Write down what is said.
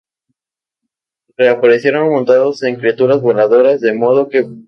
Reaparecieron montados en criaturas voladoras, de modo que fueron conocidos como "Nazgûl alados".